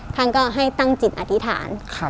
ท่านก็ให้ตั้งจิตอธิษฐาน